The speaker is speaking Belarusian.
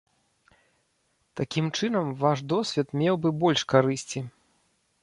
Такім чынам ваш досвед меў бы больш карысці.